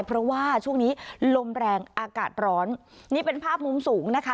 เพราะว่าช่วงนี้ลมแรงอากาศร้อนนี่เป็นภาพมุมสูงนะคะ